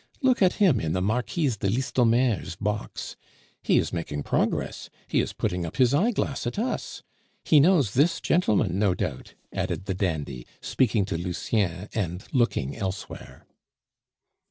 Look at him in the Marquise de Listomere's box; he is making progress, he is putting up his eyeglass at us! He knows this gentleman, no doubt," added the dandy, speaking to Lucien, and looking elsewhere.